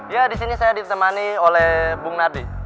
ya disini saya ditemani oleh bung nardi